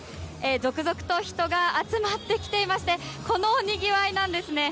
続々と人が集まってきていましてこのにぎわいなんですね。